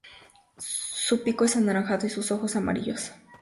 Su pico es anaranjado y sus ojos amarillos.